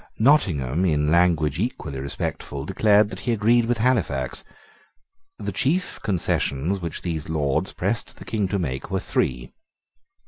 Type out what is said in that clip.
Nottingham, in language equally respectful, declared that he agreed with Halifax. The chief concessions which these Lords pressed the King to make were three.